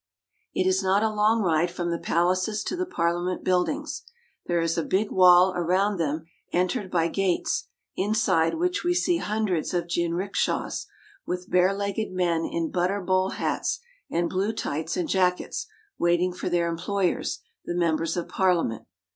It is not a long ride from the palaces to the Parliament Buildings. There is a big wall around them entered by gates, inside which we see hundreds of jinrikishas with barelegged men in butter bowl hats and blue tights and jackets, waiting for their employers, the members of Par liament.